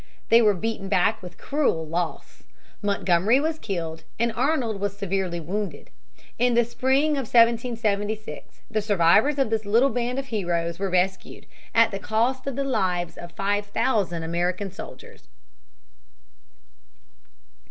They were beaten back with cruel loss. Montgomery was killed, and Arnold was severely wounded. In the spring of 1776 the survivors of this little band of heroes were rescued at the cost of the lives of five thousand American soldiers.